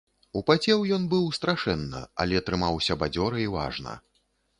Упацеў ён быў страшэнна, але трымаўся бадзёра і важна.